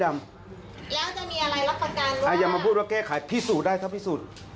แล้วจะมีอะไรรับประกันเลยอย่ามาพูดว่าแก้ไขพิสูจน์ได้ถ้าพิสูจน์